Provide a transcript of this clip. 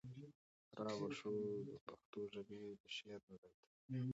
را به شو د پښتو ژبي د شعر نړۍ ته